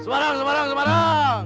semarang semarang semarang